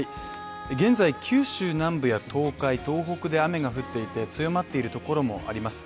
現在、九州南部や東海、東北で雨が降っていて、強まっているところもあります。